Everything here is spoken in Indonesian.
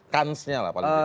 kansnya lah paling baik